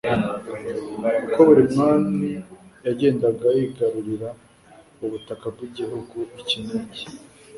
Uko buri mwami yagendaga yigarurira ubutaka bw'igihugu iki n'iki